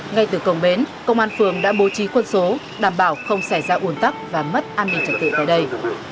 ngay từ cổng bến công an phường đã bố trí quân số đảm bảo không xảy ra ủn tắc và mất an ninh trật tự tại đây